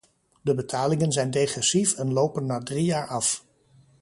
De betalingen zijn degressief en lopen na drie jaar af.